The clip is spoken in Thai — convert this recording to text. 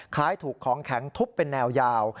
คล้ายถูกของแข็งทุบเป็นแนวยาว